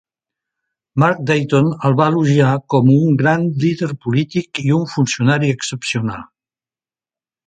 Mark Dayton el va elogiar com a "un gran líder polític i un funcionari excepcional".